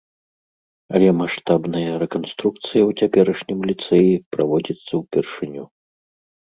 Але маштабная рэканструкцыя ў цяперашнім ліцэі праводзіцца ўпершыню.